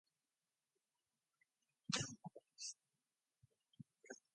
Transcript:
He was a coach on Milwaukee's World Series champions.